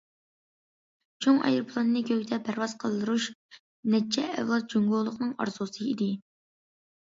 چوڭ ئايروپىلاننى كۆكتە پەرۋاز قىلدۇرۇش نەچچە ئەۋلاد جۇڭگولۇقنىڭ ئارزۇسى ئىدى.